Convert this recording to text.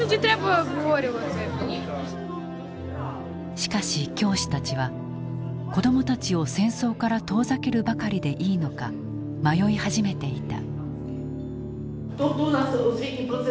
しかし教師たちは子どもたちを戦争から遠ざけるばかりでいいのか迷い始めていた。